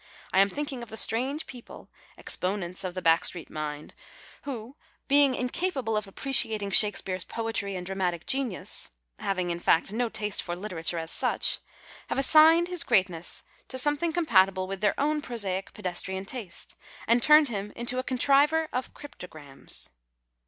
I am thinking of the strange people, e\j)onents of the back street mind, who, being incapable of appreciating Shakespeare's poetry and dramatic genius — having in fact no taste for literature as such — have assigned his greatness 185 PASTICHE AND PREJUDICE to somethinfT compatible with their own j)rosaic pedestrian taste and turned him into a contriver of cryptograms.